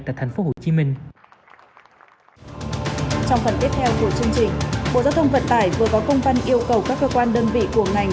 trong phần tiếp theo của chương trình bộ giao thông vận tải vừa có công văn yêu cầu các cơ quan đơn vị của ngành